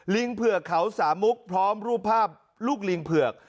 เผือกเขาสามุกพร้อมรูปภาพลูกลิงเผือก